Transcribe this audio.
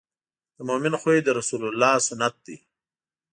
د مؤمن خوی د رسول الله سنت دی.